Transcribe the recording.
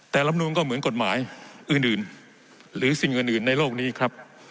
แต่ลำนูนก็เหมือนกฎหมายอื่นหรือสิ่งอื่นในโลกนี้ครับ